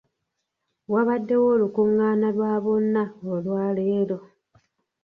Wabaddewo olukungaana lwa bonna olwaleero.